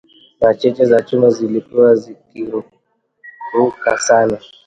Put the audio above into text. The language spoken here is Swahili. Na cheche za chuma zilikua zikiruka sana